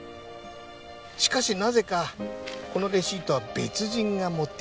しかしなぜかこのレシートは別人が持っていた。